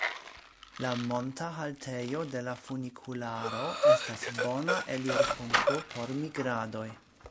La monta haltejo de la funikularo estas bona elirpunkto por migradoj.